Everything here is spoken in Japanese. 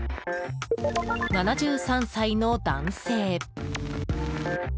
７３歳の男性。